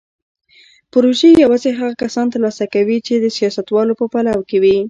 پروژې یوازې هغه کسان ترلاسه کوي چې د سیاستوالو په پلو کې وي.